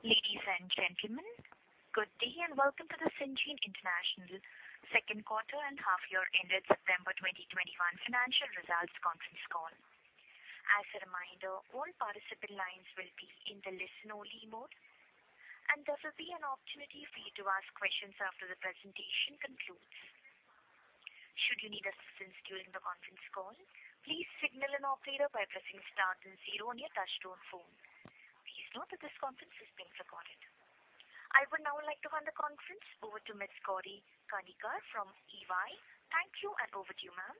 Ladies and gentlemen, good day and welcome to the Syngene International Second Quarter and H1 Ended September 2021 Financial Results Conference call. As a reminder, all participant lines will be in the listen-only mode. There will be an opportunity for you to ask questions after the presentation concludes. Should you need assistance during the conference call, please signal an operator by pressing star zero on your touch-tone phone. Please note that this conference is being recorded. I would now like to hand the conference over to Ms. Gauri Kanikar from EY. Thank you. Over to you, Ma'am.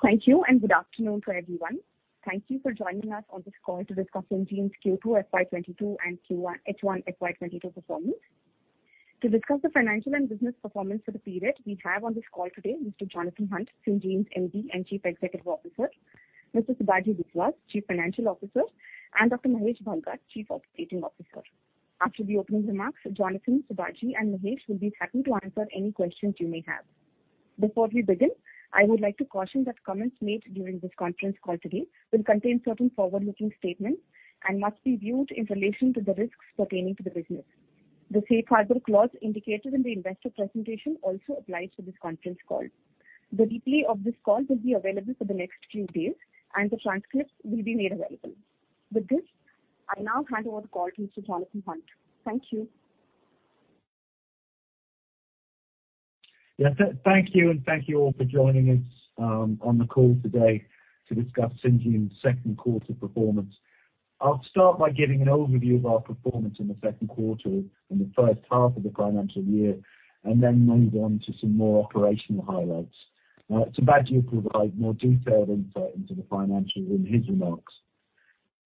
Thank you, and good afternoon to everyone. Thank you for joining us on this call to discuss Syngene's Q2 FY22 and H1 FY22 performance. To discuss the financial and business performance for the period, we have on this call today Mr. Jonathan Hunt, Syngene's MD and Chief Executive Officer, Mr. Sibaji Biswas, Chief Financial Officer, and Dr. Mahesh Bhalgat, Chief Operating Officer. After the opening remarks, Jonathan, Sibaji, and Mahesh will be happy to answer any questions you may have. Before we begin, I would like to caution that comments made during this conference call today will contain certain forward-looking statements and must be viewed in relation to the risks pertaining to the business. The safe harbor clause indicated in the investor presentation also applies to this conference call. The replay of this call will be available for the next few days, and the transcript will be made available. With this, I now hand over the call to Mr. Jonathan Hunt. Thank you. Yeah. Thank you, and thank you all for joining us on the call today to discuss Syngene's second quarter performance. I'll start by giving an overview of our performance in the second quarter and the first half of the financial year, and then move on to some more operational highlights. Sibaji will provide more detailed insight into the financials in his remarks.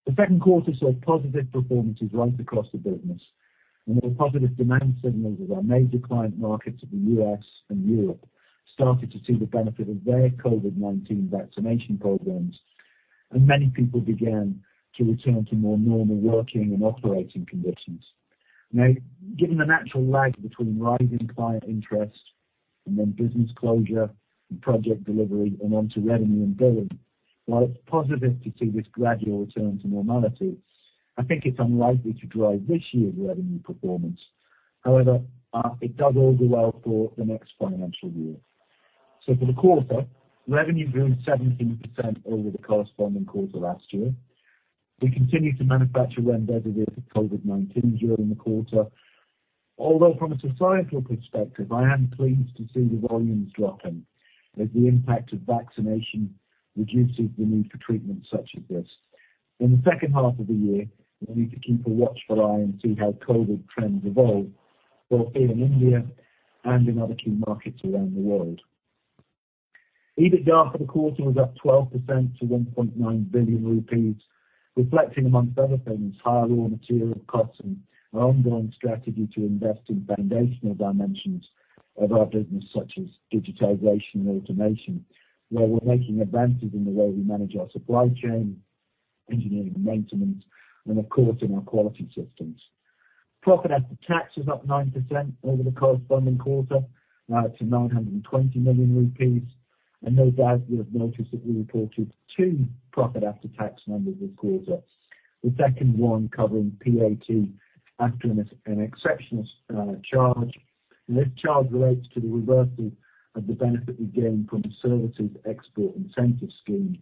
The second quarter saw positive performances right across the business and there were positive demand signals as our major client markets of the U.S. and Europe started to see the benefit of their COVID-19 vaccination programs, and many people began to return to more normal working and operating conditions. Given the natural lag between rising client interest and then business closure and project delivery and onto revenue and billing, while it's positive to see this gradual return to normality, I think it's unlikely to drive this year's revenue performance. It does bode well for the next financial year. For the quarter, revenue grew 17% over the corresponding quarter last year. We continued to manufacture remdesivir for COVID-19 during the quarter. From a societal perspective, I am pleased to see the volumes dropping as the impact of vaccination reduces the need for treatments such as this. In the second half of the year, we'll need to keep a watchful eye and see how COVID trends evolve, both here in India and in other key markets around the world. EBITDA for the quarter was up 12% to 1.9 billion rupees, reflecting, amongst other things, higher raw material costs and our ongoing strategy to invest in foundational dimensions of our business such as digitization and automation, where we're making advances in the way we manage our supply chain, engineering and maintenance, and of course, in our quality systems. Profit after tax is up 9% over the corresponding quarter, to 920 million rupees. No doubt you have noticed that we reported two profit after tax numbers this quarter. The second one covering PAT after an exceptional charge. This charge relates to the reversal of the benefit we gained from the Service Exports from India Scheme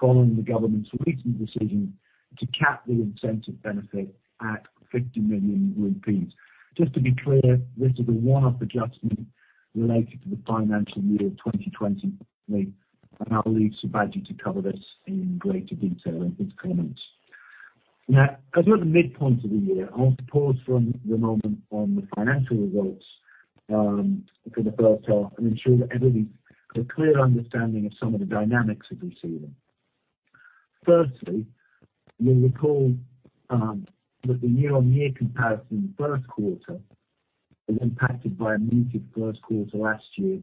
following the government's recent decision to cap the incentive benefit at 50 million rupees. Just to be clear, this is a one-off adjustment related to the FY 2023, and I'll leave Sibaji to cover this in greater detail in his comments. As we're at the midpoint of the year, I want to pause for a moment on the financial results for the H1 and ensure that everybody has a clear understanding of some of the dynamics that we're seeing. Firstly, you'll recall that the YOY comparison in the Q1 is impacted by a muted Q1 last year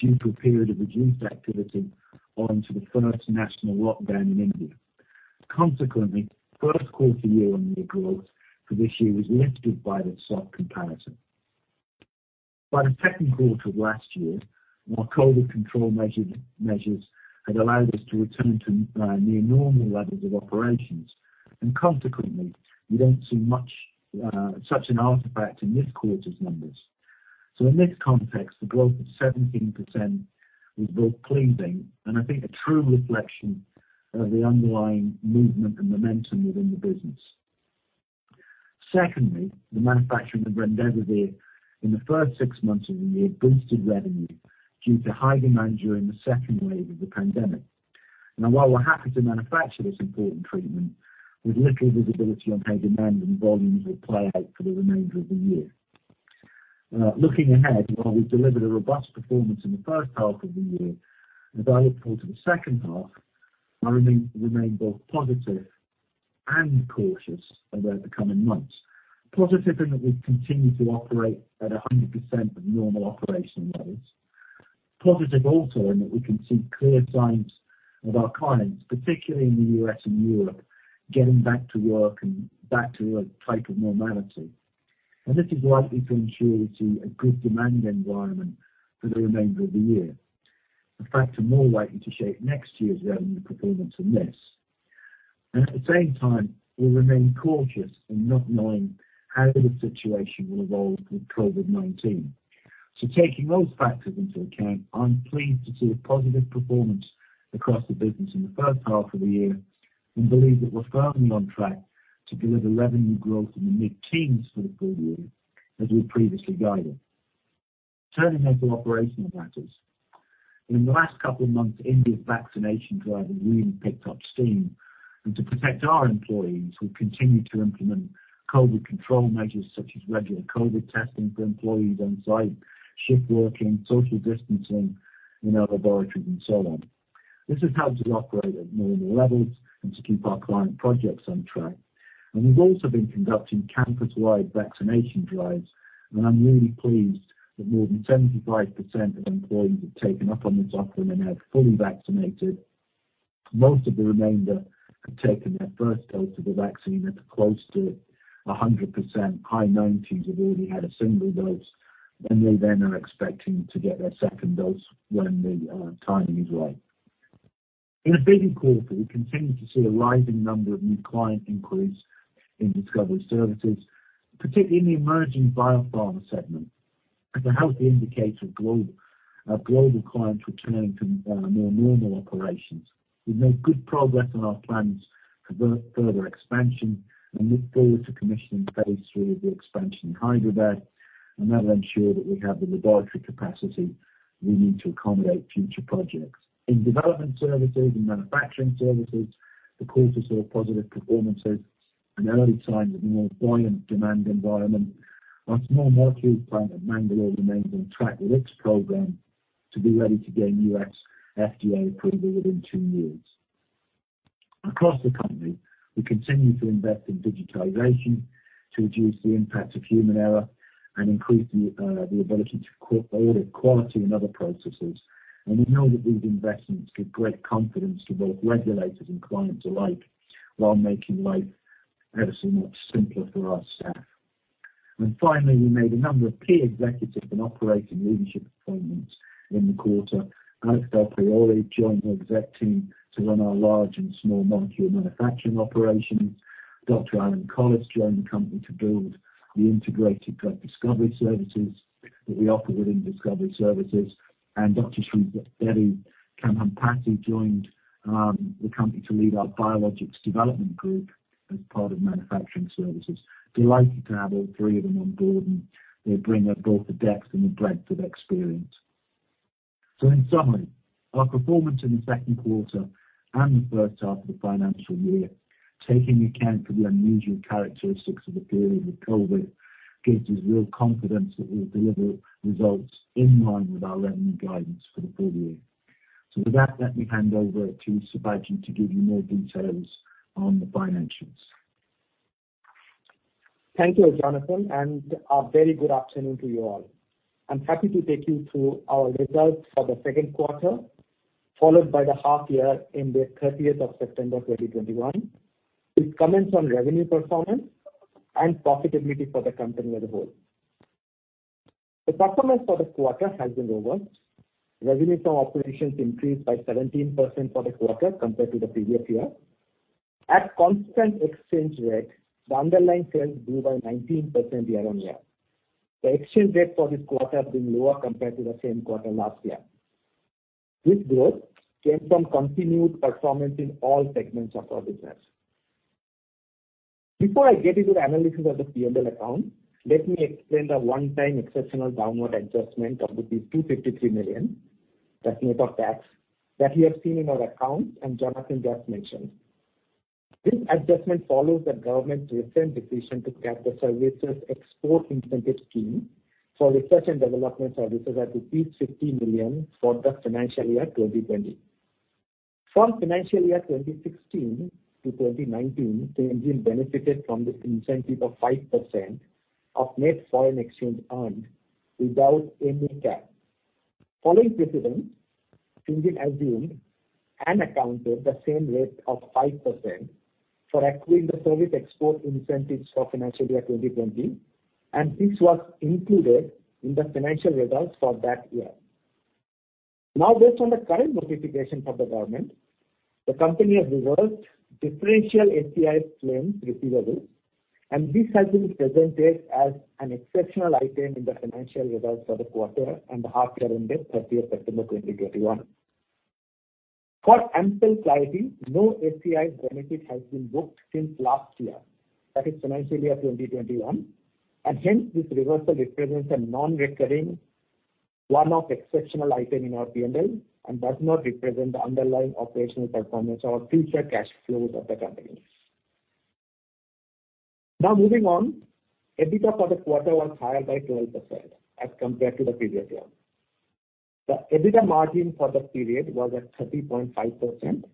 due to a period of reduced activity owing to the firsst national lockdown in India. Consequently, Q1 YOY growth for this year was lifted by that soft comparison. By the second quarter of last year, our COVID control measures had allowed us to return to near normal levels of operations, and consequently, we don't see such an artifact in this quarter's numbers. In this context, the growth of 17% was both pleasing and I think a true reflection of the underlying movement and momentum within the business. Secondly, the manufacturing of remdesivir in the first six months of the year boosted revenue due to high demand during the second wave of the pandemic. While we're happy to manufacture this important treatment, we have little visibility on how demand and volumes will play out for the remainder of the year. Looking ahead, while we've delivered a robust performance in the first half of the year, as I look forward to the second half, I remain both positive and cautious about the coming months. Positive in that we've continued to operate at 100% of normal operation levels. Positive also in that we can see clear signs of our clients, particularly in the U.S. and Europe, getting back to work and back to a type of normality. This is likely to ensure we see a good demand environment for the remainder of the year. In fact, are more likely to shape next year's revenue performance than this. At the same time, we remain cautious in not knowing how the situation will evolve with COVID-19. Taking those factors into account, I'm pleased to see a positive performance across the business in the first half of the year and believe that we're firmly on track to deliver revenue growth in the mid-teens for the full year, as we've previously guided. Turning now to operational matters. In the last couple of months, India's vaccination drive has really picked up steam, and to protect our employees, we've continued to implement COVID control measures such as regular COVID testing for employees on site, shift working, social distancing in our laboratories, and so on. This has helped us operate at normal levels and to keep our client projects on track. We've also been conducting campus-wide vaccination drives, and I'm really pleased that more than 75% of employees have taken up on this offer and are fully vaccinated. Most of the remainder have taken their first dose of the vaccine at close to 100%. High 90s have already had a single dose, and they then are expecting to get their second dose when the timing is right. In a busy quarter, we continue to see a rising number of new client inquiries in Discovery Services, particularly in the emerging biopharma segment, as a healthy indicator of global clients returning to more normal operations. We've made good progress on our plans for further expansion and look forward to commissioning phase III of the expansion in Hyderabad, and that'll ensure that we have the laboratory capacity we need to accommodate future projects. In Development Services and Manufacturing Services, the quarters saw positive performances and early signs of a more buoyant demand environment. Our small molecule plant at Bangalore remains on track with its program to be ready to gain U.S. FDA approval within two years. Across the company, we continue to invest in digitization to reduce the impact of human error and increase the ability to audit quality and other processes. We know that these investments give great confidence to both regulators and clients alike while making life ever so much simpler for our staff. Finally, we made a number of key executive and operating leadership appointments in the quarter. Alex Del Priore joined the exec team to run our large and small molecule manufacturing operations. Dr. Alan Collis joined the company to build the Integrated Drug Discovery Services that we offer within Discovery Services. Dr. Sridevi Khambhampaty joined the company to lead our biologics development group as part of Manufacturing Services. Delighted to have all three of them on board, and they bring both the depth and the breadth of experience. In summary, our performance in the second quarter and the first half of the financial year, taking account of the unusual characteristics of the period with COVID, gives us real confidence that we'll deliver results in line with our revenue guidance for the full year. With that, let me hand over to Sibaji to give you more details on the financials. Thank you, Jonathan. A very good afternoon to you all. I am happy to take you through our results for the second quarter, followed by the half year end of September 30th, 2021, with comments on revenue performance and profitability for the company as a whole. The performance for the quarter has been robust. Revenue from operations increased by 17% for the quarter compared to the previous year. At constant exchange rate, the underlying sales grew by 19% year-on-year. The exchange rate for this quarter has been lower compared to the same quarter last year. This growth came from continued performance in all segments of our business. Before I get into the analysis of the P&L account, let me explain the one-time exceptional downward adjustment of the 253 million, that is net of tax, that you have seen in our accounts and Jonathan just mentioned. This adjustment follows the government's recent decision to cap the Service Exports from India Scheme for research and development services at 50 million for the financial year 2020. From financial year 2016 to 2019, Syngene benefited from this incentive of 5% of net foreign exchange earned without any cap. Following precedent, Syngene assumed and accounted the same rate of 5% for accruing the service export incentives for financial year 2020, and this was included in the financial results for that year. Now, based on the current notification from the government, the company has reversed differential SEIS claims receivables, and this has been presented as an exceptional item in the financial results for the quarter and the half year end of September 30th, 2021. For ample clarity, no SEI benefit has been booked since last year, that is financial year 2021. Hence, this reversal represents a non-recurring one-off exceptional item in our P&L and does not represent the underlying operational performance or future cash flows of the company. Now moving on, EBITDA for the quarter was higher by 12% as compared to the previous year. The EBITDA margin for the period was at 30.5%.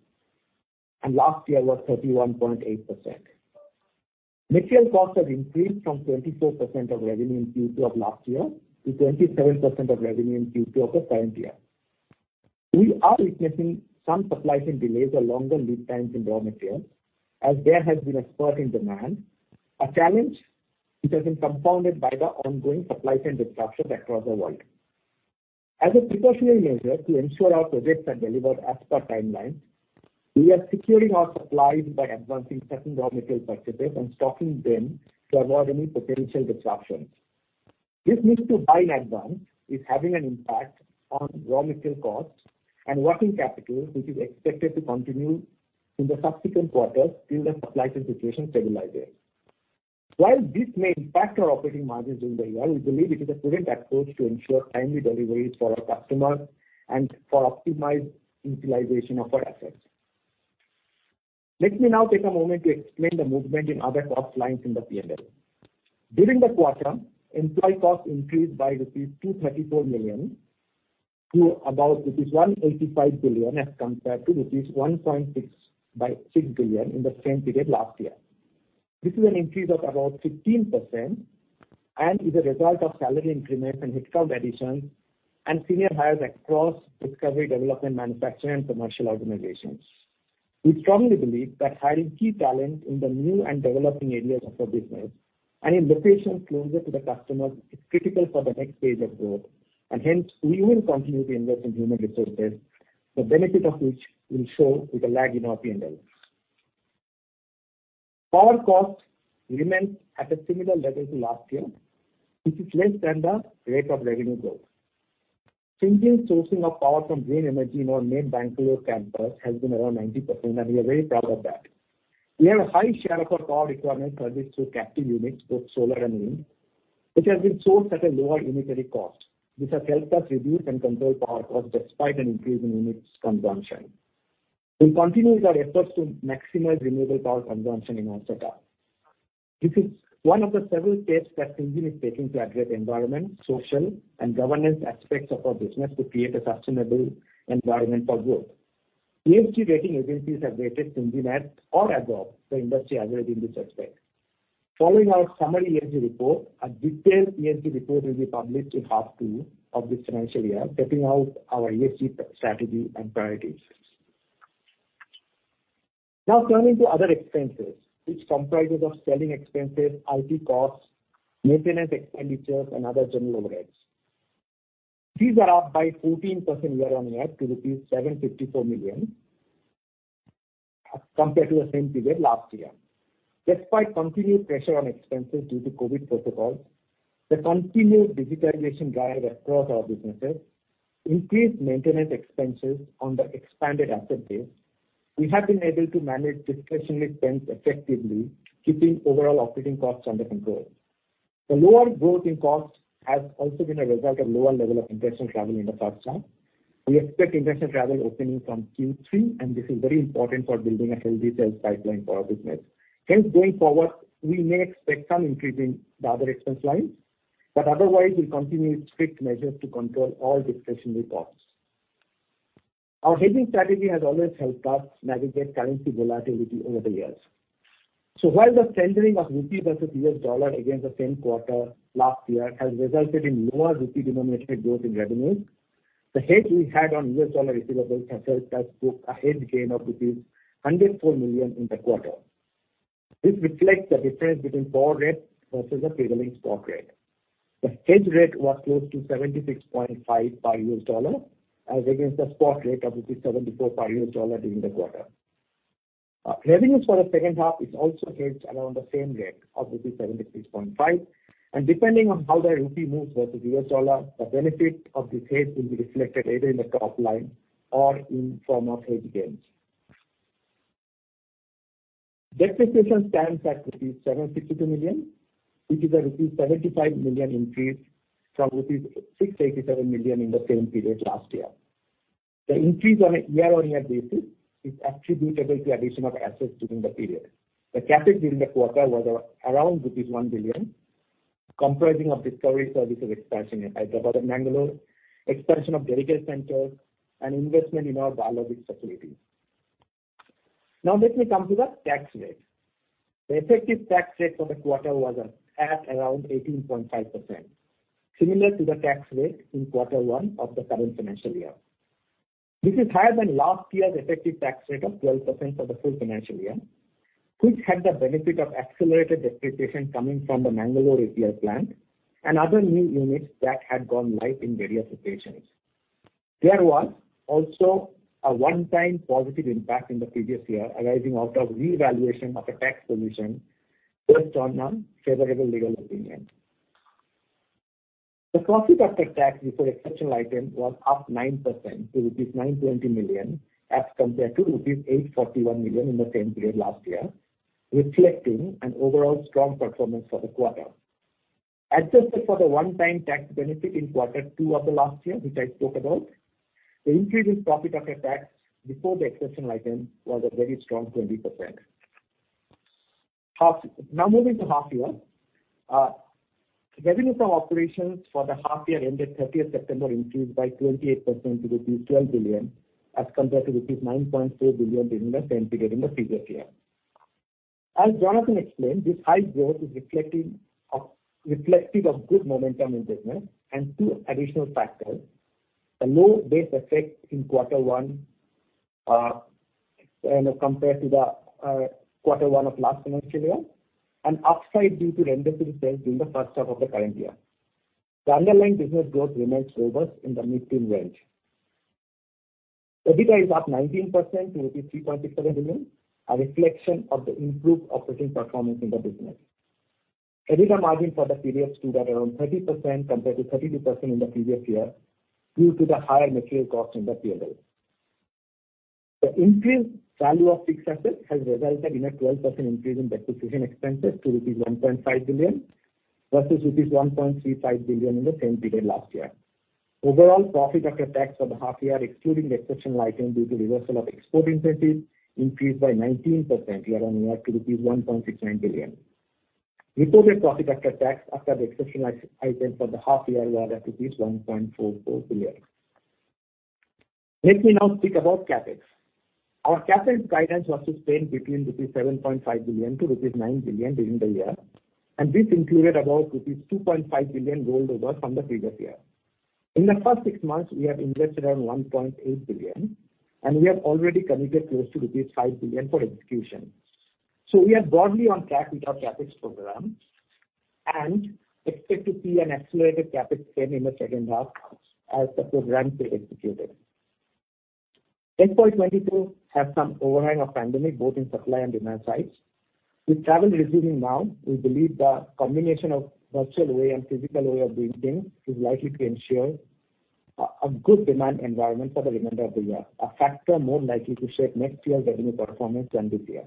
Last year was 31.8%. Material costs have increased from 24% of revenue in Q2 of last year to 27% of revenue in Q2 of the current year. We are witnessing some supply chain delays or longer lead times in raw materials as there has been a spurt in demand, a challenge which has been compounded by the ongoing supply chain disruptions across the world. As a precautionary measure to ensure our projects are delivered as per timelines, we are securing our supplies by advancing certain raw material purchases and stocking them to avoid any potential disruptions. This need to buy in advance is having an impact on raw material costs and working capital, which is expected to continue in the subsequent quarters till the supply chain situation stabilizes. While this may impact our operating margins during the year, we believe it is a prudent approach to ensure timely deliveries for our customers and for optimized utilization of our assets. Let me now take a moment to explain the movement in other cost lines in the P&L. During the quarter, employee costs increased by rupees 234 million to about rupees 185 billion as compared to rupees 1.6 billion in the same period last year. This is an increase of about 15% and is a result of salary increments and headcount additions and senior hires across Discovery, Development, Manufacturing, and commercial organizations. We strongly believe that hiring key talent in the new and developing areas of our business and in locations closer to the customers is critical for the next stage of growth, and hence, we will continue to invest in human resources, the benefit of which will show with a lag in our P&L. Power cost remains at a similar level to last year, which is less than the rate of revenue growth. Syngene's sourcing of power from green energy in our main Bangalore campus has been around 90%, and we are very proud of that. We have a high share of our power requirements serviced through captive units, both solar and wind, which has been sourced at a lower unitary cost. This has helped us reduce and control power costs despite an increase in units consumption. We'll continue with our efforts to maximize renewable power consumption in our setup. This is one of the several steps that Syngene is taking to address environment, social, and governance aspects of our business to create a sustainable environment for growth. ESG rating agencies have rated Syngene at or above the industry average in this aspect. Following our summary ESG report, a detailed ESG report will be published in half two of this financial year, setting out our ESG strategy and priorities. Now turning to other expenses, which comprises of selling expenses, IT costs, maintenance expenditures, and other general overheads. These are up by 14% year-on-year to rupees 754 million as compared to the same period last year. Despite continued pressure on expenses due to COVID protocols, the continued digitalization drive across our businesses increased maintenance expenses on the expanded asset base. We have been able to manage discretionary spends effectively, keeping overall operating costs under control. The lower growth in costs has also been a result of lower level of international travel in the first half. We expect international travel opening from Q3. This is very important for building a healthy sales pipeline for our business. Going forward, we may expect some increase in the other expense lines, but otherwise, we'll continue strict measures to control all discretionary costs. Our hedging strategy has always helped us navigate currency volatility over the years. While the strengthening of rupee versus U.S. dollar against the same quarter last year has resulted in lower rupee-denominated growth in revenues, the hedge we had on U.S. dollar receivables has helped us book a hedge gain of 104 million in the quarter. This reflects the difference between forward rate versus the prevailing spot rate. The hedge rate was close to 76.5 per U.S. dollar as against the spot rate of 74 per U.S. dollar during the quarter. Revenues for the second half is also hedged around the same rate of rupees 76.5, and depending on how the rupee moves versus U.S. dollar, the benefit of this hedge will be reflected either in the top line or in form of hedge gains. Depreciation stands at rupees 762 million, which is a rupees 75 million increase from rupees 687 million in the same period last year. The increase on a year-on-year basis is attributable to addition of assets during the period. The capital during the quarter was around rupees 1 billion, comprising of Discovery Services expansion in Hyderabad and Bangalore, expansion of dedicated centers, and investment in our biologics facilities. Now let me come to the tax rate. The effective tax rate for the quarter was at around 18.5%, similar to the tax rate in quarter one of the current financial year. This is higher than last year's effective tax rate of 12% for the full financial year, which had the benefit of accelerated depreciation coming from the Bangalore API plant and other new units that had gone live in various locations. There was also a one-time positive impact in the previous year arising out of revaluation of a tax provision based on a favorable legal opinion. The profit after tax before exceptional item was up 9% to rupees 920 million as compared to rupees 841 million in the same period last year, reflecting an overall strong performance for the quarter. Adjusted for the one-time tax benefit in quarter two of the last year, which I spoke about, the increase in profit after tax before the exceptional item was a very strong 20%. Now moving to half year. Revenues from operations for the half year ended September 30th increased by 28% to 12 billion as compared to 9.4 billion during the same period in the previous year. As Jonathan explained, this high growth is reflective of good momentum in business and two additional factors. A low base effect in quarter one compared to the quarter one of last financial year, and upside due to remdesivir sales during the first half of the current year. The underlying business growth remains robust in the mid-10 range. EBITDA is up 19% to rupees 3.67 billion, a reflection of the improved operating performance in the business. EBITDA margin for the period stood at around 30% compared to 32% in the previous year, due to the higher material costs in the period. The increased value of fixed assets has resulted in a 12% increase in depreciation expenses to rupees 1.5 billion versus rupees 1.35 billion in the same period last year. Overall profit after tax for the half-year, excluding the exceptional item due to reversal of export incentive, increased by 19% year-on-year to 1.69 billion. Reported profit after tax after the exceptional item for the half year was at 1.44 billion. Let me now speak about CapEx. Our CapEx guidance was to spend between 7.5 billion-9 billion rupees during the year. This included about rupees 2.5 billion rolled over from the previous year. In the first six months, we have invested around 1.8 billion. We have already committed close to rupees 5 billion for execution. We are broadly on track with our CapEx program and expect to see an accelerated CapEx spend in the second half as the programs get executed. FY 2022 has some overhang of pandemic, both in supply and demand sides. With travel resuming now, we believe the combination of virtual way and physical way of doing things is likely to ensure a good demand environment for the remainder of the year, a factor more likely to shape next year's revenue performance than this year.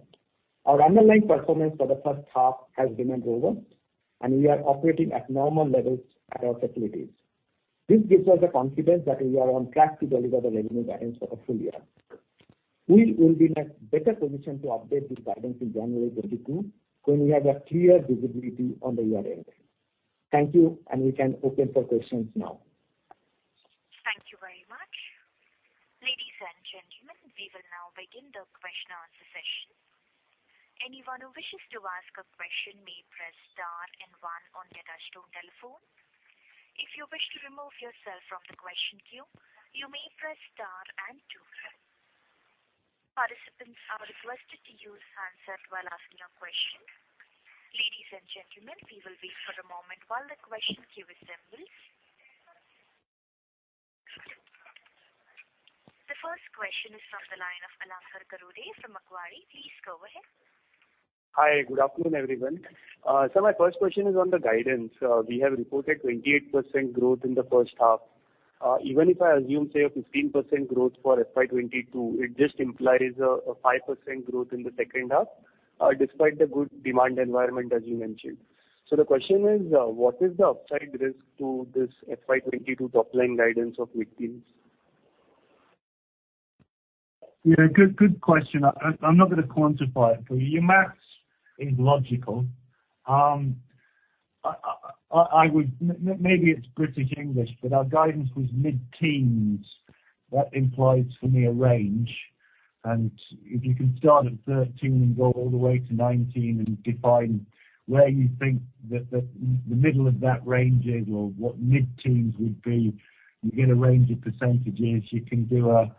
Our underlying performance for the first half has remained robust. We are operating at normal levels at our facilities. This gives us the confidence that we are on track to deliver the revenue guidance for the full year. We will be in a better position to update this guidance in January 2022, when we have a clear visibility on the year ending. Thank you. We can open for questions now. Thank you very much. Ladies and gentlemen, we will now begin the question and answer session. Anyone who wishes to ask a question may press star and one on your touchtone telephone. If you wish to remove yourself from the question queue, you may press star and two. Participants are requested to use handset while asking a question. Ladies and gentlemen, we will wait for a moment while the question queue assembles. The first question is from the line of Alankar Garude from Macquarie. Please go ahead. Hi, good afternoon, everyone. Sir, my first question is on the guidance. We have reported 28% growth in the first half. Even if I assume, say, a 15% growth for FY 2022, it just implies a 5% growth in the second half despite the good demand environment as you mentioned. The question is, what is the upside risk to this FY 2022 top-line guidance of mid-10s? Yeah, good question. I'm not going to quantify it for you. Your math is logical. Maybe it's British English, our guidance was mid-10s. That implies for me a range. If you can start at 13 and go all the way to 19 and define where you think that the middle of that range is or what mid-10s would be, you get a range of percentages. You can do a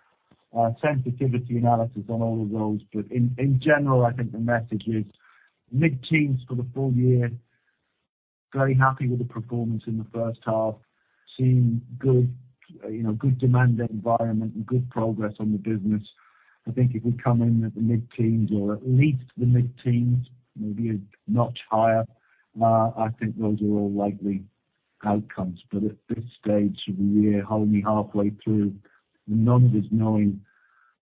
sensitivity analysis on all of those. In general, I think the message is mid-10s for the full year. Very happy with the performance in the first half, seeing good demand environment and good progress on the business. I think if we come in at the mid-10s or at least the mid-10s, maybe a notch higher, I think those are all likely outcomes. At this stage of the year, only halfway through, none of us knowing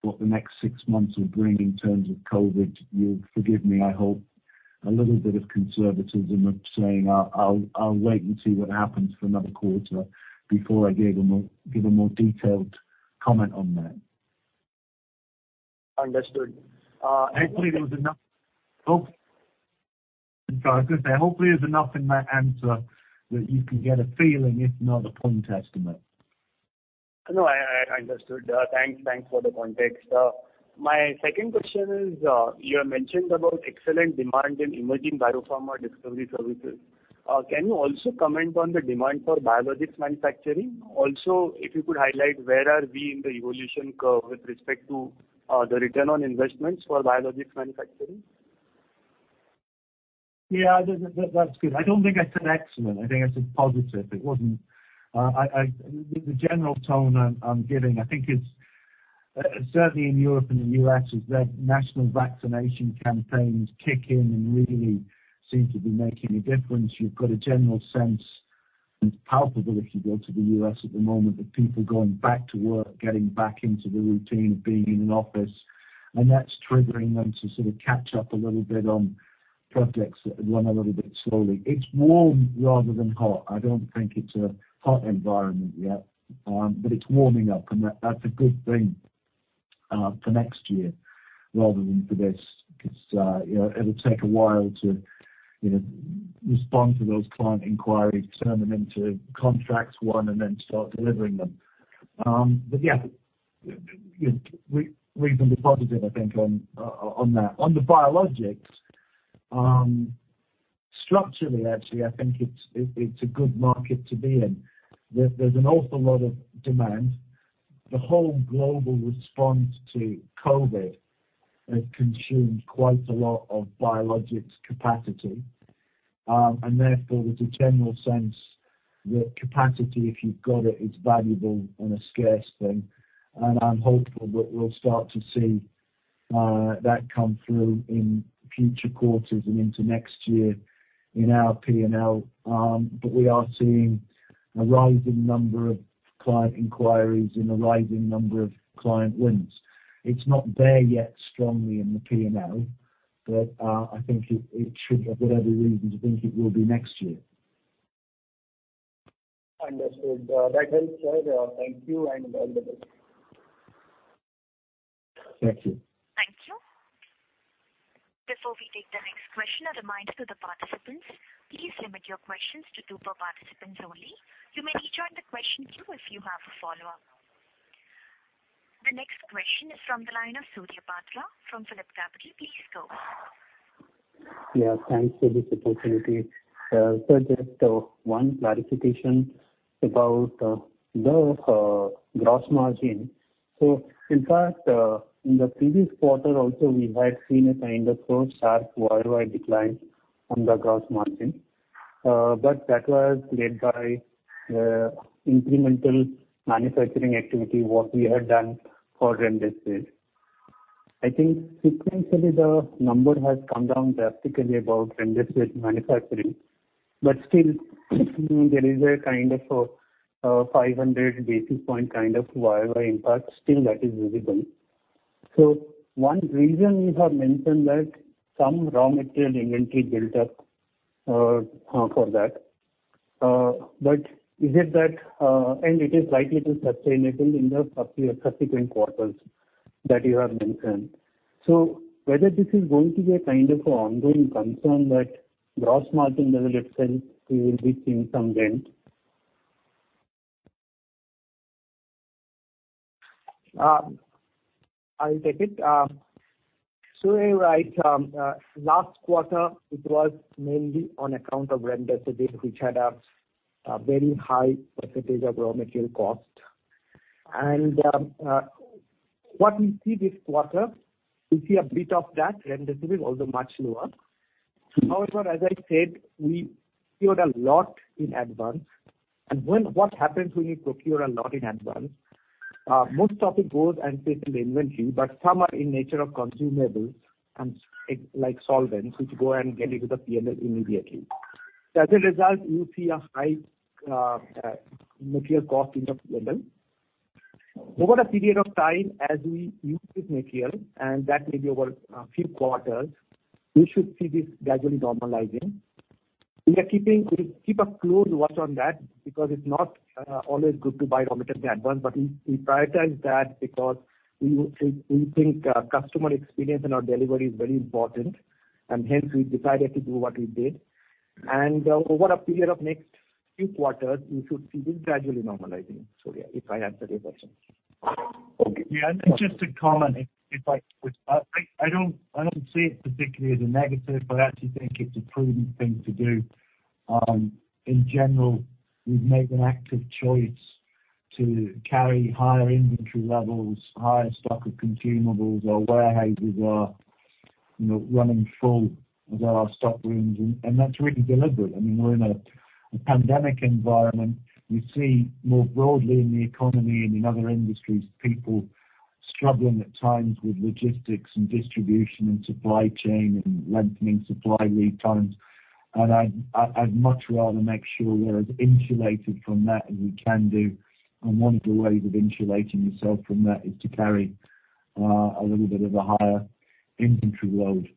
what the next six months will bring in terms of COVID, you'll forgive me, I hope, a little bit of conservatism of saying I'll wait and see what happens for another quarter before I give a more detailed comment on that. Understood. Sorry. Hopefully there's enough in my answer that you can get a feeling, if not a point estimate. No, I understood. Thanks for the context. My second question is, you have mentioned about excellent demand in emerging biopharma Discovery Services. Can you also comment on the demand for biologics manufacturing? If you could highlight where are we in the evolution curve with respect to the return on investments for biologics manufacturing? Yeah, that's good. I don't think I said excellent. I think I said positive. The general tone I'm giving I think is, certainly in Europe and the U.S., as their national vaccination campaigns kick in and really seem to be making a difference, you've got a general sense, and it's palpable if you go to the U.S. at the moment, of people going back to work, getting back into the routine of being in an office, and that's triggering them to sort of catch up a little bit on projects that had run a little bit slowly. It's warm rather than hot. I don't think it's a hot environment yet, but it's warming up, and that's a good thing for next year rather than for this, because it'll take a while to respond to those client inquiries, turn them into contracts, one, and then start delivering them. Yeah, we've been positive, I think, on that. On the biologics, structurally, actually, I think it's a good market to be in. There's an awful lot of demand. The whole global response to COVID has consumed quite a lot of biologics capacity. Therefore, there's a general sense that capacity, if you've got it, is valuable and a scarce thing. I'm hopeful that we'll start to see that come through in future quarters and into next year in our P&L. We are seeing a rising number of client inquiries and a rising number of client wins. It's not there yet strongly in the P&L, but I think it should have every reason to think it will be next year. Understood. That helps, Sir. Thank you and all the best. Thank you. Thank you. Before we take the next question, a reminder to the participants, please limit your questions to two per participant only. You may rejoin the question queue if you have a follow-up. The next question is from the line of Surya Patra from PhillipCapital. Please go ahead. Yeah, thanks for this opportunity. Sir, just one clarification about the gross margin. In fact, in the previous quarter also, we had seen a kind of sharp YOY decline from the gross margin. That was led by incremental Manufacturing Services activity, what we had done for remdesivir. I think sequentially the number has come down drastically above remdesivir manufacturing, but still there is a kind of 500 basis point kind of YOY impact still that is visible. One reason you have mentioned that some raw material inventory built up for that. Is it that-- and it is likely to sustain it in the subsequent quarters that you have mentioned. Whether this is going to be a kind of ongoing concern that gross margin as it stands, we will be seeing some dent. I'll take it. You're right. Last quarter, it was mainly on account of remdesivir, which had a very high percentage of raw material cost. What we see this quarter, we see a bit of that, remdesivir although much lower. However, as I said, we procured a lot in advance. What happens when you procure a lot in advance, most of it goes and sits in the inventory, but some are in nature of consumables and like solvents, which go and get into the P&L immediately. As a result, you see a high material cost in the P&L. Over a period of time, as we use this material, and that may be over a few quarters, we should see this gradually normalizing. We keep a close watch on that because it's not always good to buy raw material in advance, but we prioritize that because we think customer experience and our delivery is very important, and hence we decided to do what we did. Over a period of next few quarters, we should see this gradually normalizing. Yeah, if I answered your question. Okay. Yeah. Just to comment, if I could. I don't see it particularly as a negative, but I actually think it's a prudent thing to do. In general, we've made an active choice to carry higher inventory levels, higher stock of consumables. Our warehouses are running full as are our stock rooms. That's really deliberate. I mean, we're in a pandemic environment. We see more broadly in the economy and in other industries, people struggling at times with logistics and distribution and supply chain and lengthening supply lead times. I'd much rather make sure we're as insulated from that as we can do. One of the ways of insulating yourself from that is to carry a little bit of a higher inventory load.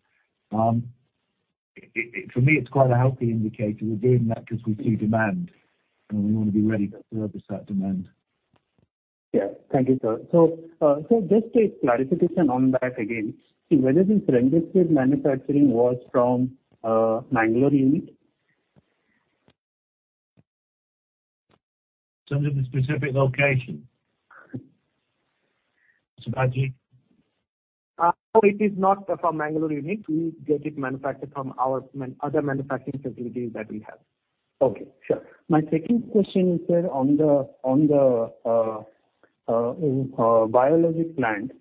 For me, it's quite a healthy indicator. We're doing that because we see demand, and we want to be ready to service that demand. Yeah. Thank you, Sir. Just a clarification on that again. Sir, whether this remdesivir manufacturing was from Bangalore unit? In terms of the specific location. Sibaji? No, it is not from Bangalore unit. We get it manufactured from our other manufacturing facilities that we have. Okay, sure. My second question is, Sir, on the biologics plant.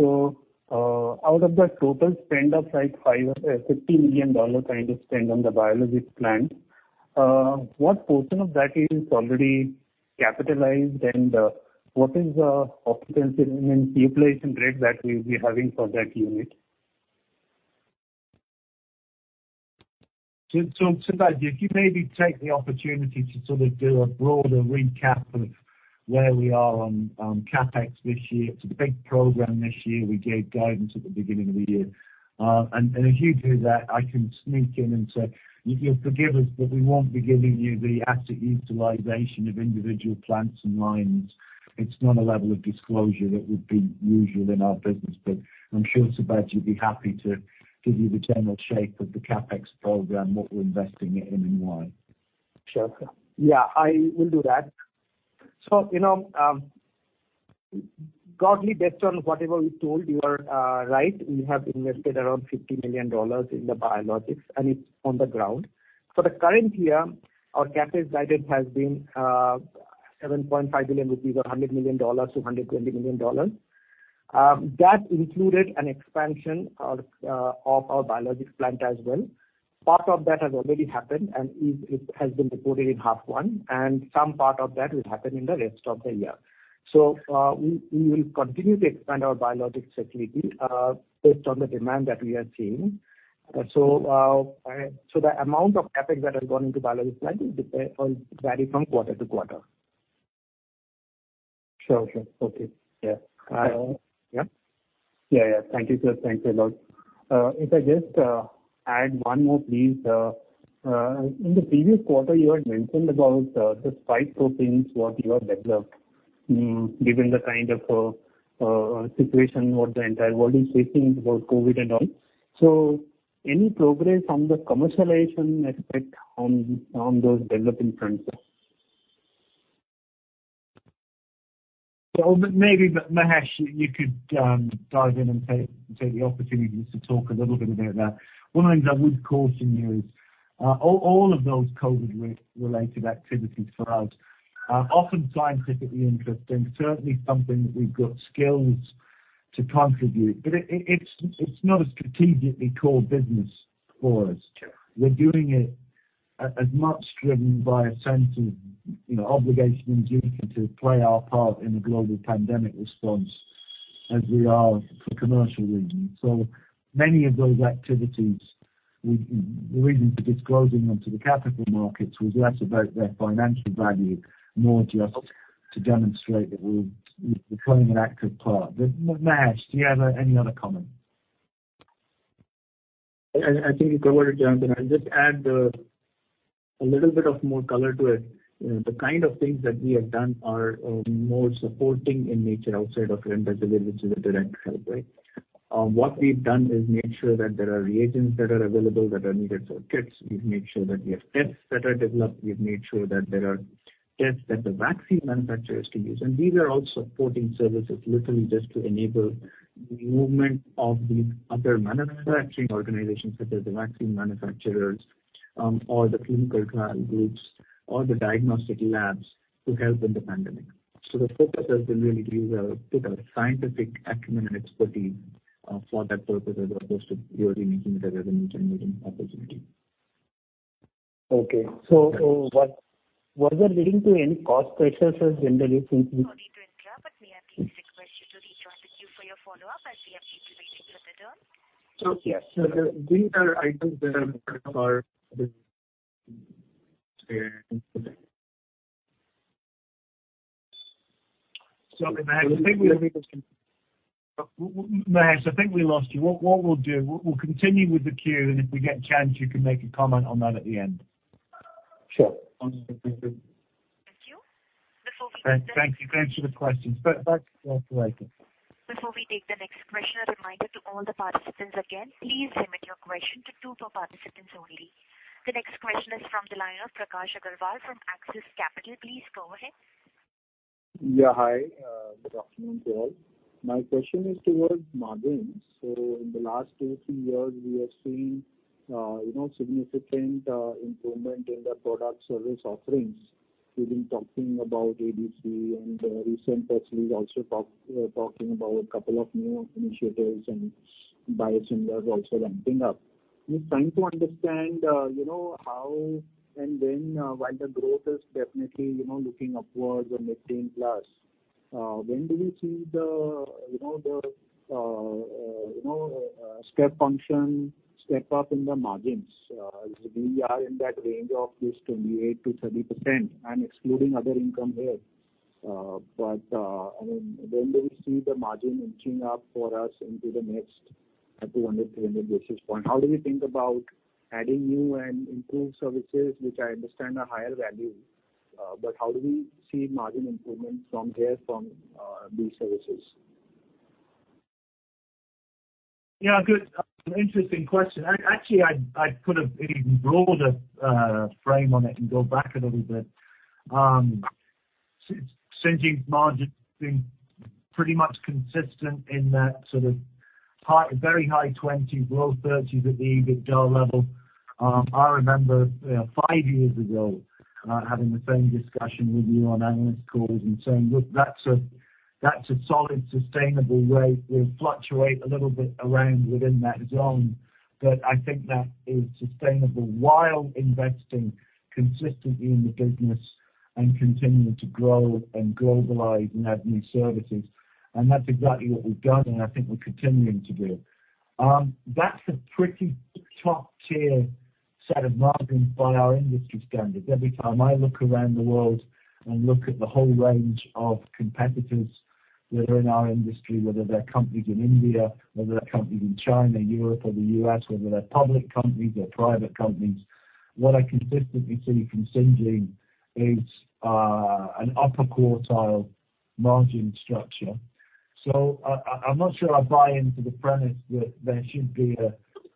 Out of that total spend of like $50 million spend on the biologics plant, what portion of that is already capitalized, and what is the occupancy, I mean, utilization rate that we'll be having for that unit? Sibaji, if you maybe take the opportunity to sort of do a broader recap of where we are on CapEx this year. It's a big program this year. We gave guidance at the beginning of the year. As you do that, I can sneak in and say, you'll forgive us, but we won't be giving you the asset utilization of individual plants and lines. It's not a level of disclosure that would be usual in our business. I'm sure, Sibaji, you'd be happy to give you the general shape of the CapEx program, what we're investing it in and why. Sure. Yeah, I will do that. You know, broadly based on whatever we told you are right, we have invested around $50 million in the biologics and it's on the ground. For the current year, our CapEx guided has been 7.5 billion rupees or $100 million-$120 million. That included an expansion of our biologics plant as well. Part of that has already happened, and it has been reported in half one, and some part of that will happen in the rest of the year. We will continue to expand our biologics facility based on the demand that we are seeing. The amount of CapEx that has gone into biologics plant will vary from quarter to quarter. Sure. Okay. Yeah. Yeah. Yeah. Thank you, Sir. Thanks a lot. If I just add one more, please. In the previous quarter, you had mentioned about the five proteins what you have developed, given the kind of situation what the entire world is facing about COVID and all. Any progress on the commercialization aspect on those development fronts? Maybe, Mahesh, you could dive in and take the opportunity to talk a little bit about that. One of the things I would caution you is, all of those COVID-related activities for us are often scientifically interesting, certainly something that we've got skills to contribute, but it's not a strategically core business for us. Sure. We're doing it as much driven by a sense of obligation and duty to play our part in a global pandemic response as we are for commercial reasons. Many of those activities, the reason for disclosing them to the capital markets was less about their financial value, more just to demonstrate that we're playing an active part. Mahesh, do you have any other comments? I think you covered it, Jonathan. I'll just add a little bit of more color to it. The kind of things that we have done are more supporting in nature outside of remdesivir, which is a direct help, right? What we've done is make sure that there are reagents that are available that are needed for kits. We've made sure that we have tests that are developed. We've made sure that there are tests that the vaccine manufacturers can use. These are all supporting services, literally just to enable the movement of these other manufacturing organizations, such as the vaccine manufacturers, or the clinical trial groups, or the diagnostic labs to help in the pandemic. The focus has been really to take our scientific acumen and expertise for that purpose as opposed to purely making the revenue generating opportunity. Okay. Was that leading to any cost pressures as in the recent? Sorry to interrupt. May I please request you to rejoin the queue for your follow-up as we have reached the waiting limit on- Yes. These are items that are Sorry, Mahesh. I think we lost you. What we'll do, we'll continue with the queue, and if we get a chance, you can make a comment on that at the end. Sure. Thank you. Thank you. Thanks for the questions. Back to operator. Before we take the next question, a reminder to all the participants again, please limit your question to two per participants only. The next question is from the line of Prakash Agarwal from Axis Capital. Please go ahead. Hi. Good afternoon to you all. My question is towards margins. In the last two, three years, we have seen significant improvement in the product service offerings. We've been talking about ADC and recent press release also talking about couple of new initiatives and biosimilars also ramping up. Just trying to understand how and when while the growth is definitely looking upwards and 18+, when do we see the step function, step up in the margins? We are in that range of this 28%-30%, I'm excluding other income here. When will we see the margin inching up for us into the next 200-300 basis points? How do we think about adding new and improved services, which I understand are higher value, how do we see margin improvement from there from these services? Yeah, good. An interesting question. Actually, I'd put an even broader frame on it and go back a little bit. Syngene's margins been pretty much consistent in that sort of very high 20s, low 30s at the EBITDA level. I remember five years ago, having the same discussion with you on analyst calls and saying, "Look, that's a solid, sustainable rate. We'll fluctuate a little bit around within that zone. I think that is sustainable while investing consistently in the business and continuing to grow and globalize and add new services." That's exactly what we've done, and I think we're continuing to do. That's a pretty top-tier set of margins by our industry standards. Every time I look around the world and look at the whole range of competitors, whether in our industry, whether they're companies in India, whether they're companies in China, Europe, or the U.S., whether they're public companies or private companies, what I consistently see from Syngene is an upper quartile margin structure. I'm not sure I buy into the premise that there should be an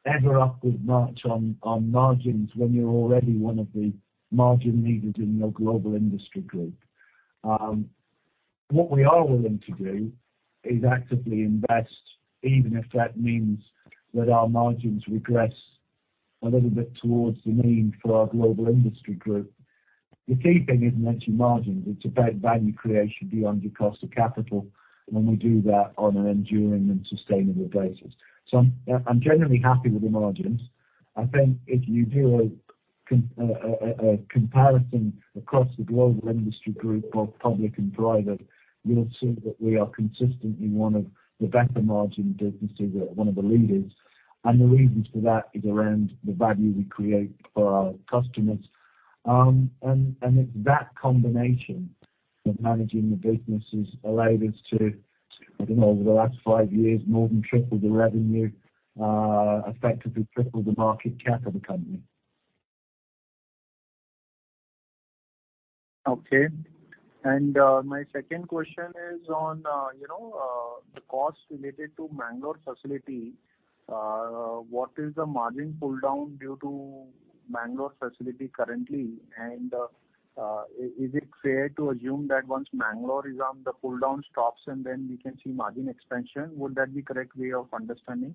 ever-upward march on margins when you're already one of the margin leaders in your global industry group. What we are willing to do is actively invest, even if that means that our margins regress a little bit towards the mean for our global industry group. The key thing isn't actually margins. It's about value creation beyond your cost of capital when we do that on an enduring and sustainable basis. I'm generally happy with the margins. I think if you do a comparison across the global industry group, both public and private, you'll see that we are consistently one of the better margin businesses, one of the leaders. The reason for that is around the value we create for our customers. It's that combination of managing the businesses allowed us to, I don't know, over the last five years, more than triple the revenue, effectively triple the market cap of the company. Okay. My second question is on the costs related to Mangalore facility. What is the margin pull-down due to Mangalore facility currently? Is it fair to assume that once Mangalore is on, the pull-down stops, and then we can see margin expansion? Would that be correct way of understanding?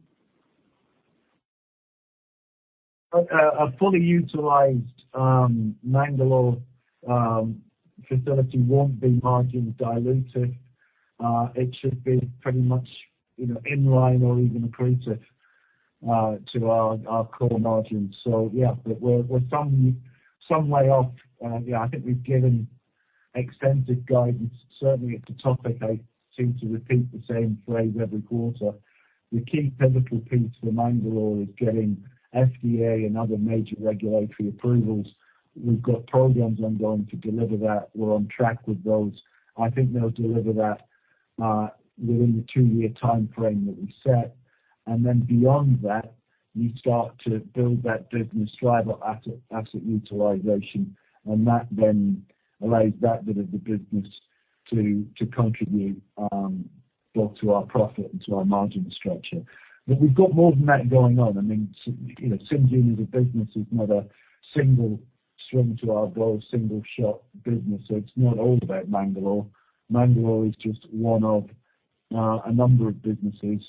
A fully utilized Mangalore facility won't be margin dilutive. It should be pretty much in line or even accretive to our core margins. Yeah, we're some way off. I think we've given extensive guidance. Certainly, it's a topic I seem to repeat the same phrase every quarter. The key pivotal piece for Mangalore is getting FDA and other major regulatory approvals. We've got programs ongoing to deliver that. We're on track with those. I think they'll deliver that within the two-year timeframe that we've set. Beyond that, you start to build that business, drive up asset utilization, and that then allows that bit of the business to contribute both to our profit and to our margin structure. We've got more than that going on. Syngene as a business is not a single string to our bow, single-shot business. It's not all about Mangalore. Mangalore is just one of a number of businesses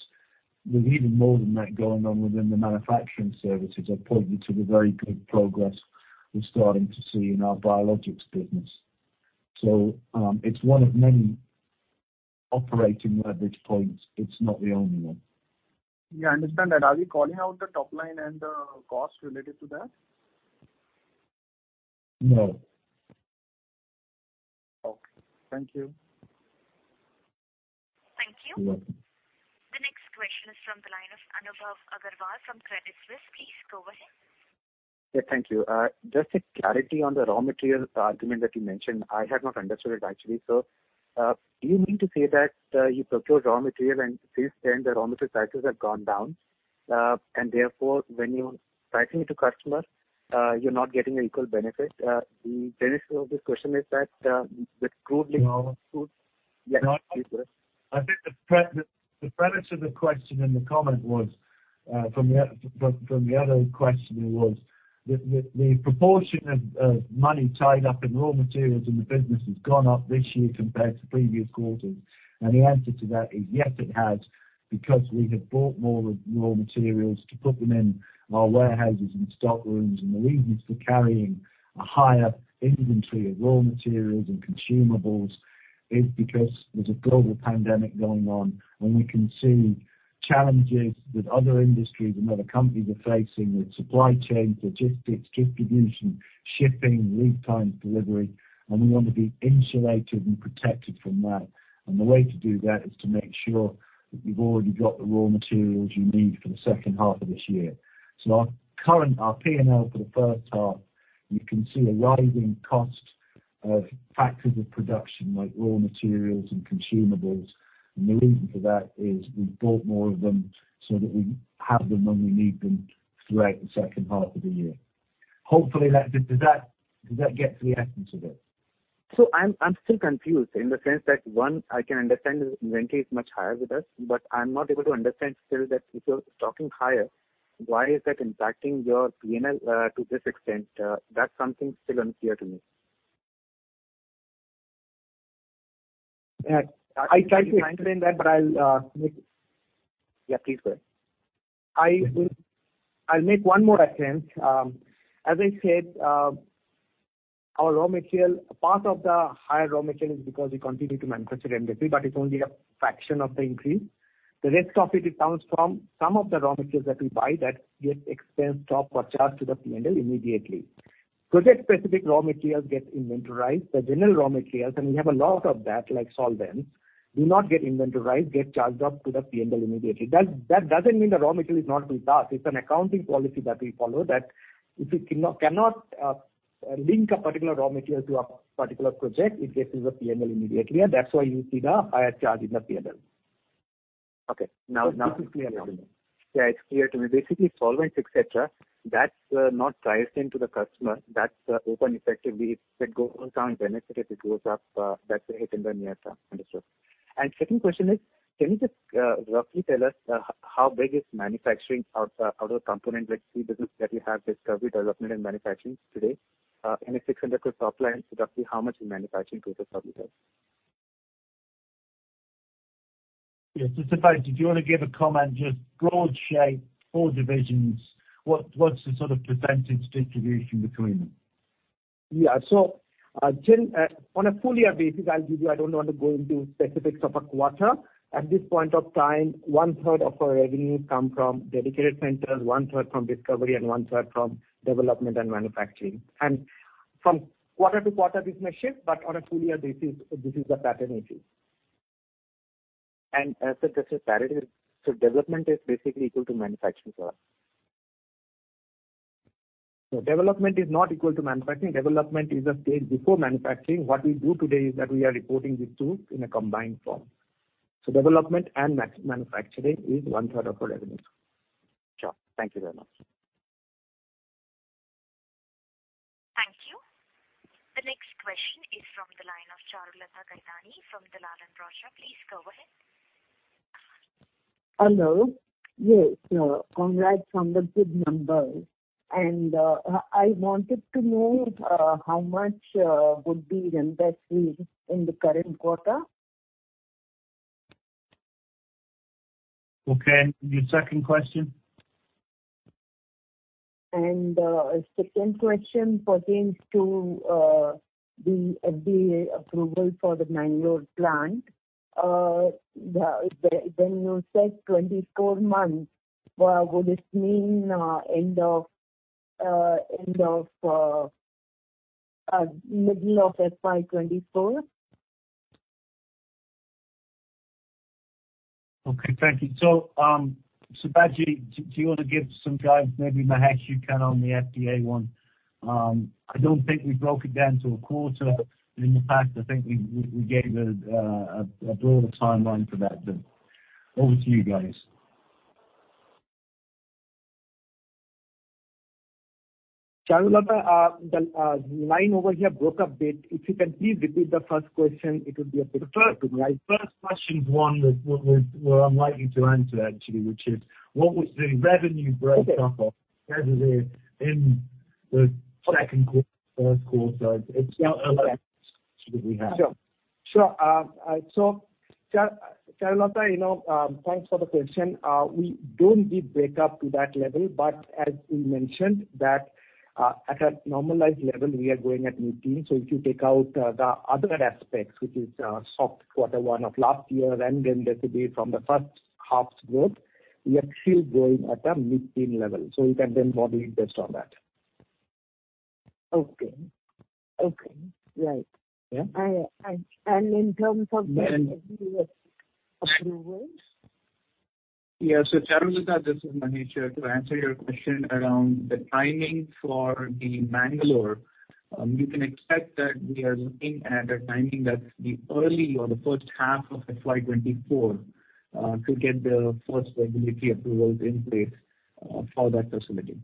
with even more than that going on within the Manufacturing Services. I pointed to the very good progress we're starting to see in our biologics business. It's one of many operating leverage points. It's not the only one. Yeah, I understand that. Are we calling out the top line and the cost related to that? No. Okay. Thank you. Thank you. You're welcome. The next question is from the line of Anubhav Agarwal from Credit Suisse. Please go ahead. Yeah, thank you. Just a clarity on the raw material argument that you mentioned. I had not understood it actually. Do you mean to say that you procure raw material and since then the raw material prices have gone down, and therefore when you're pricing to customers, you're not getting equal benefit? The genesis of this question is that with crude oil- No. Yes, please go ahead. I think the premise of the question and the comment from the other questioner was that the proportion of money tied up in raw materials in the business has gone up this year compared to previous quarters. The answer to that is, yes, it has, because we have bought more raw materials to put them in our warehouses and stock rooms. The reason for carrying a higher inventory of raw materials and consumables is because there's a global pandemic going on, and we can see challenges that other industries and other companies are facing with supply chains, logistics, distribution, shipping, lead time delivery, and we want to be insulated and protected from that. The way to do that is to make sure that we've already got the raw materials you need for the second half of this year. Our P&L for the first half, you can see a rising cost of factors of production like raw materials and consumables. The reason for that is we've bought more of them so that we have them when we need them throughout the second half of the year. Hopefully, does that get to the essence of it? I'm still confused in the sense that, one, I can understand the inventory is much higher with us, but I'm not able to understand still that if you're stocking higher, why is that impacting your P&L to this extent. That's something still unclear to me. I tried to explain that. Yeah, please go ahead. I'll make one more attempt. As I said, part of the higher raw material is because we continue to manufacture inventory, but it's only a fraction of the increase. The rest of it comes from some of the raw materials that we buy that get expensed off or charged to the P&L immediately. Project-specific raw materials get inventorized. The general raw materials, and we have a lot of that, like solvents, do not get inventorized, get charged off to the P&L immediately. That doesn't mean the raw material is not with us. It's an accounting policy that we follow that if you cannot link a particular raw material to a particular project, it gets to the P&L immediately, and that's why you see the higher charge in the P&L. Okay. This is clear now. Yeah, it's clear to me. Basically, solvents, et cetera, that's not priced into the customer. That's open effectively. If it goes down, benefit. If it goes up, that's a hit in the near term. Understood. Second question is, can you just roughly tell us how big is manufacturing out of the component, let's see, business that you have, discovery, development, and manufacturing today? If 600+ top line, so roughly how much is manufacturing versus how much is? Yes. Sibaji, do you want to give a comment, just broad shape, four divisions, what's the sort of percentage distribution between them? On a full year basis, I don't want to go into specifics of a quarter. At this point of time, 1/3 of our revenues come from dedicated centers, 1/3 from Discovery, and 1/3 from development and manufacturing. From quarter to quarter, this may shift, but on a full year basis, this is the pattern we see. As such a parity, development is basically equal to manufacturing for us. No. Development is not equal to manufacturing. Development is a stage before manufacturing. What we do today is that we are reporting the two in a combined form. Development and manufacturing is 1/3 of our revenue. Sure. Thank you very much. Thank you. The next question is from the line of Charulata Gaidhani from Dalal & Broacha. Please go ahead. Hello. Yes, congrats on the good numbers. I wanted to know how much would be invested in the current quarter. Okay, your second question. Second question pertains to the FDA approval for the Bangalore plant. When you said 24 months, would it mean middle of FY 2024? Okay, thank you. Sibaji, do you want to give some guidance, maybe Mahesh you can on the FDA one. I don't think we broke it down to a quarter in the past. I think we gave a broader timeline for that. Over to you guys. Charulata, the line over here broke a bit. If you can please repeat the first question. The first question is one we're unlikely to answer actually, which is what was the revenue breakup? Okay. Of Syngene in the second quarter, first quarter. It's not a level of discussion that we have. Sure. Charulata, thanks for the question. We don't give breakup to that level, but as we mentioned that at a normalized level, we are growing at mid-10s. If you take out the other aspects, which is soft Q1 of last year, and then there could be from the H1 growth, we are still growing at a mid-10 level. You can then model it based on that. Okay. Right. Yeah. In terms of the FDA approval? Charulata, this is Mahesh here. To answer your question around the timing for the Bangalore, you can expect that we are looking at a timing that's the early or the first half of FY 2024, to get the first regulatory approvals in place for that facility.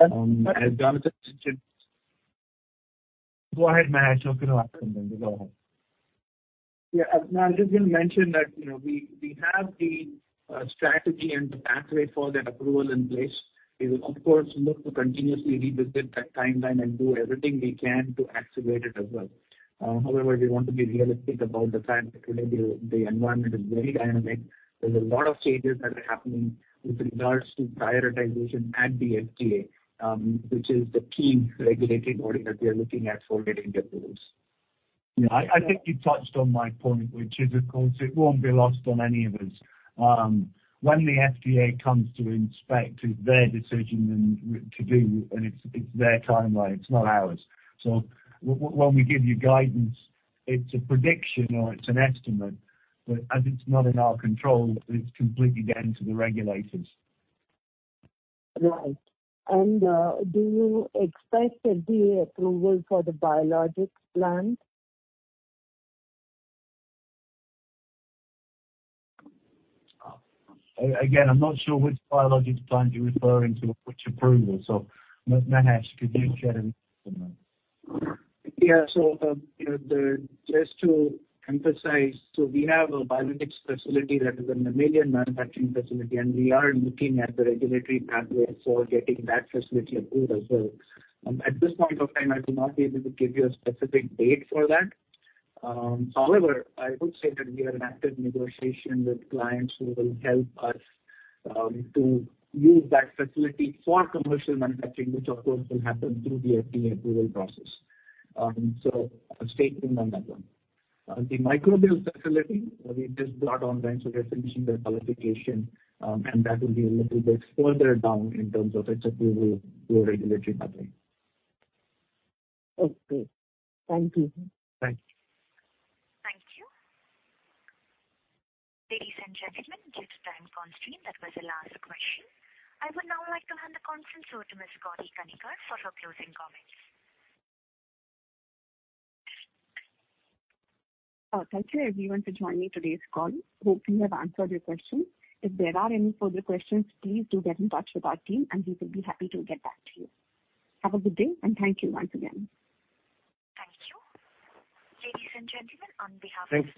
As Jonathan mentioned. Go ahead, Mahesh. No problem. Go ahead. As Jonathan mentioned that we have the strategy and the pathway for that approval in place. We will, of course, look to continuously revisit that timeline and do everything we can to activate it as well. However, we want to be realistic about the fact that today the environment is very dynamic. There's a lot of changes that are happening with regards to prioritization at the FDA, which is the key regulatory body that we are looking at for getting the approvals. Yeah. I think you touched on my point, which is, of course, it won't be lost on any of us. When the FDA comes to inspect, it's their decision to do, and it's their timeline. It's not ours. When we give you guidance, it's a prediction or it's an estimate, but as it's not in our control, it's completely down to the regulators. Right. Do you expect FDA approval for the biologics plant? I'm not sure which biologics plant you're referring to, which approval. Mahesh, could you share any information on that? Yeah. Just to emphasize, we have a biologics facility that is an mammalian manufacturing facility, and we are looking at the regulatory pathway for getting that facility approved as well. At this point of time, I would not be able to give you a specific date for that. However, I would say that we are in active negotiation with clients who will help us to use that facility for commercial manufacturing, which of course will happen through the FDA approval process. Stay tuned on that one. The microbial facility we just brought online, we are finishing the qualification, that will be a little bit further down in terms of its approval through a regulatory pathway. Okay. Thank you. Thanks. Thank you. Ladies and gentlemen, due to time constraint, that was the last question. I would now like to hand the conference over to Ms. Gauri Kanikar for her closing comments. Thank you everyone for joining today's call. Hope we have answered your questions. If there are any further questions, please do get in touch with our team and we will be happy to get back to you. Have a good day and thank you once again. Thank you. Ladies and gentlemen, on behalf- Thanks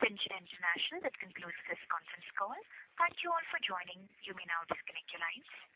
to you. Syngene International, that concludes this conference call. Thank you all for joining. You may now disconnect your lines.